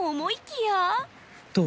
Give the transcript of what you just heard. どう？